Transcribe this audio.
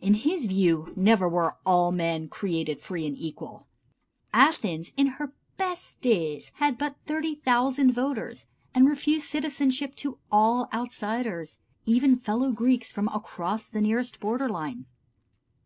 In his view never were "all men created free and equal." Athens in her best days had but 30,000 voters, and refused citizenship to all outsiders, even fellow Greeks from across the nearest border line.